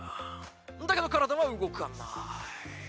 だけど体は動かない。